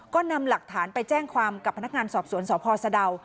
ก็นำหลักฐานไปแจ้งความกับพนักงานสอบสวนสพสะดาว